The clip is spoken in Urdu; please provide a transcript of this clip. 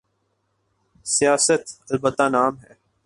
سیاست؛ البتہ نام ہے۔